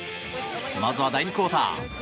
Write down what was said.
まずは第２クオーター。